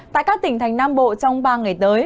tại các tỉnh thành nam bộ trong ba ngày tới